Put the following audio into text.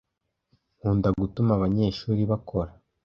Nkunda gutuma abanyeshuri bakora.